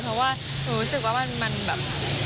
เพราะว่าหนูรู้สึกว่ามันแบบ